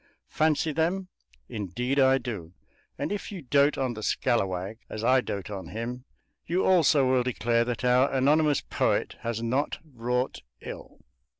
Fancy them? Indeed I do; and if you dote on the "scallawag" as I dote on him you also will declare that our anonymous poet has not wrought ill.